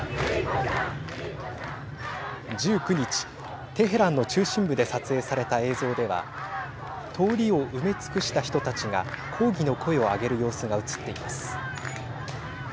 １９日、テヘランの中心部で撮影された映像では通りを埋め尽くした人たちが抗議の声を上げる様子が映っています。